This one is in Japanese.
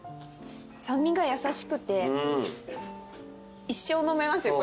酸味が優しくて一生飲めますよ